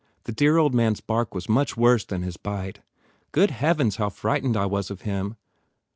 The dear old man s bark was much worse than his bite. Good heavens how frightened I was of him